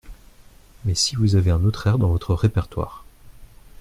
Mais si vous avez un autre air dans votre répertoire !